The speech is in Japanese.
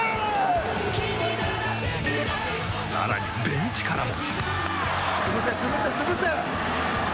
更に、ベンチからも。